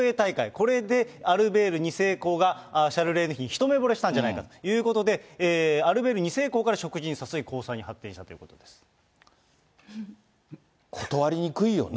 これでアルベール２世公がシャルレーヌ妃に一目ぼれしたんじゃないかということで、アルベール２世公から食事に誘い、交際に発展断りにくいよね。